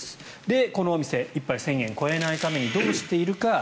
このお店、１杯１０００円超えないためにどうしているか。